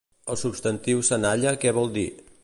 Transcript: El substantiu senalla què vol dir?